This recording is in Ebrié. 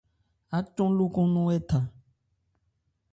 Ácɔn lókɔn nɔn ɛ tha.